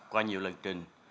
qua nhiều lần trình